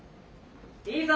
いいぞ！